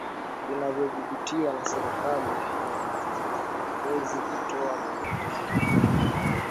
vinavyodhibitiwa na serikali haviwezi kutoa taarifa hiyo